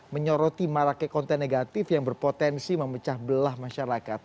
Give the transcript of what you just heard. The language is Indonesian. menyoroti maraknya konten negatif yang berpotensi memecah belah masyarakat